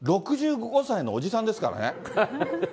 ６５歳のおじさんですからね。